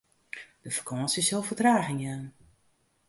De fakânsje sil fertraging jaan.